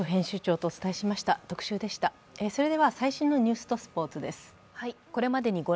それでは最新のニュースとスポーツです。